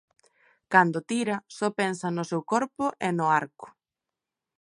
Cando tira, só pensa no seu corpo e no arco.